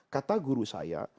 kata guru saya